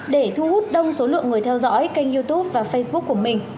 để thu hút đông số lượng người theo dõi kênh youtube và facebook của mình